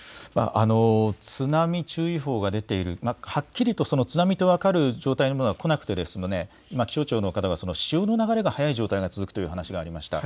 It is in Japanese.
津波注意報が出ているはっきりと津波と分かる状態のものは来なくても気象庁の方が潮の流れが速い状態が続くという話がありました。